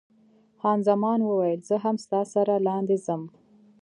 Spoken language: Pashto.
خان زمان وویل، زه هم ستا سره لاندې ځم.